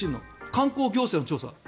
観光行政の調査。